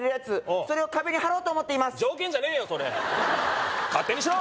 それを壁にはろうと思っています条件じゃねえよそれ勝手にしろ！